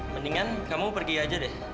mendingan kamu pergi aja deh